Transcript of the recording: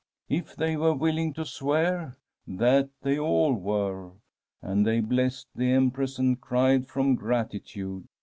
*" If they were willing to swear ? That they all were. And they blessed the Empress and cried from gratitude.